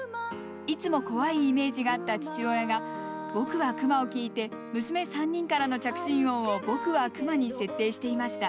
いつも怖いイメージがあった父親が「ぼくはくま」を聴いて娘３人からの着信音を「ぼくはくま」に設定していました。